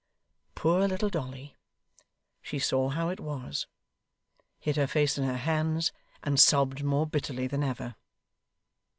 Poor little Dolly! She saw how it was; hid her face in her hands; and sobbed more bitterly than ever.